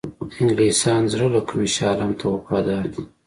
انګلیسیان د زړه له کومي شاه عالم ته وفادار دي.